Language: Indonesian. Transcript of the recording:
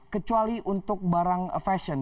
kecuali untuk barang fashion